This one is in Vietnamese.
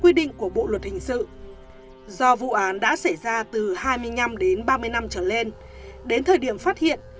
quy định của bộ luật hình sự do vụ án đã xảy ra từ hai mươi năm đến ba mươi năm trở lên đến thời điểm phát hiện